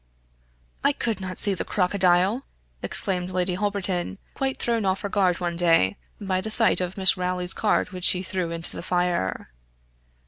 "I could not see the crocodile!" exclaimed Lady Holberton, quite thrown off her guard one day, by the sight of Miss Rowley's card which she threw into the fire.